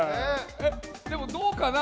でもどうかな？